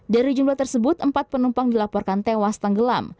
dari jumlah tersebut empat penumpang dilaporkan tewas tenggelam